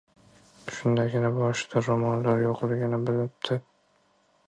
Shundagina boshida ro‘moli yo‘qligini bilibdi».